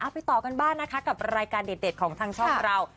ไปต่อกันบ้างนะคะกับรายการเด็ดของทางช่องเรา